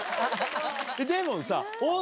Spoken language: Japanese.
でもさ。